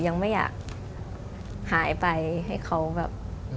ยังไม่อยากหายไปให้เขาแบบ